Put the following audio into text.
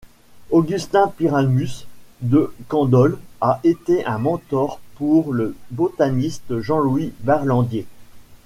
Augustin Pyramus de Candolle a été un mentor pour le botaniste Jean-Louis Berlandier.